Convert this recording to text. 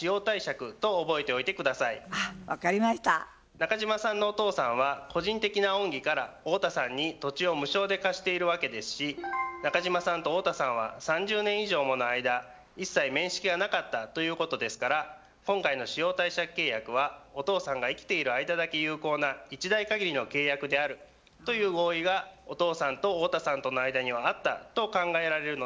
中島さんのお父さんは個人的な恩義から太田さんに土地を無償で貸しているわけですし中島さんと太田さんは３０年以上もの間一切面識がなかったということですから今回の使用貸借契約はお父さんが生きている間だけ有効なお父さんと太田さんとの間にはあったと考えられるのではないでしょうか。